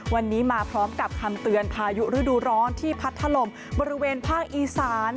วันนี้มาพร้อมกับคำเตือนพายุฤดูร้อนที่พัดถล่มบริเวณภาคอีสาน